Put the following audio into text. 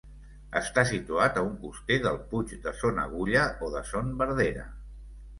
Està situat a un coster del Puig de Son Agulla o de Son Verdera.